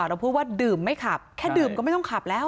เราพูดว่าดื่มไม่ขับแค่ดื่มก็ไม่ต้องขับแล้ว